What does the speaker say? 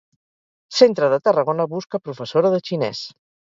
Centre de Tarragona busca professora de xinès.